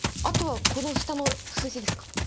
後はこの下の数字ですか？